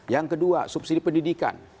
yang kedua subsidi pendidikan